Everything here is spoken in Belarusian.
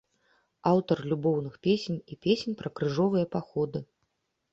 Аўтар любоўных песень і песень пра крыжовыя паходы.